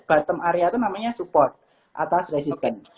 bottom area itu namanya support atas resistant